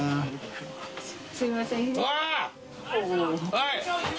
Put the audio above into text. はい！